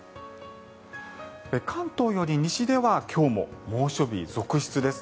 関東より西では今日も猛暑日続出です。